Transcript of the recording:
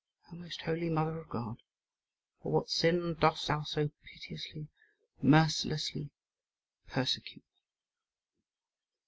O most holy mother of God! for what sin dost thou so pitilessly, mercilessly, persecute me?